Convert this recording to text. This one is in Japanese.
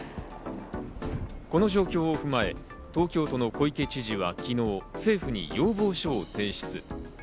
この状況を踏まえ、東京都の小池知事は昨日、政府に要望書を提出。